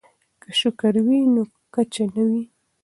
که شکر وي نو کچه نه وي.